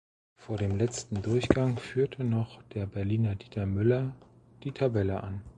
Vor dem letzten Durchgang führte noch der Berliner Dieter Müller die Tabelle an.